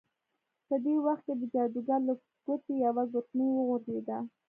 په دې وخت کې د جادوګر له ګوتې یوه ګوتمۍ وغورځیده.